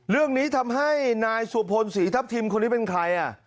เรื่องนี้ทำให้นายสุพลศรีทัพทิมคนนี้เป็นใครอ่ะ